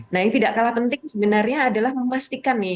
nah yang tidak kalah penting sebenarnya adalah memastikan nih